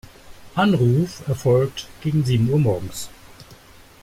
Anruf erfolgt gegen sieben Uhr morgens.